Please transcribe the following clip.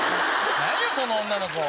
何やその女の子！